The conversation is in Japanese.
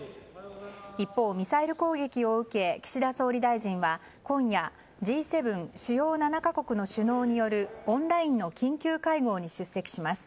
一方、ミサイル攻撃を受け岸田総理大臣は今夜、Ｇ７・主要７か国の首脳によるオンラインの緊急会合に出席します。